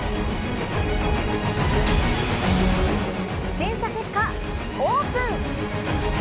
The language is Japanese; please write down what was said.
審査結果、オープン。